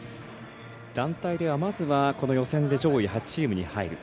団体ではまず予選で上位８チームに入る。